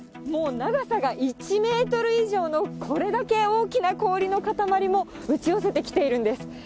もう長さが１メートル以上のこれだけ大きな氷の塊も打ち寄せてきているんです。